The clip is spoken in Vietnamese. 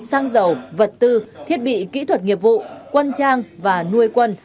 xăng dầu vật tư thiết bị kỹ thuật nghiệp vụ quân trang và nuôi quân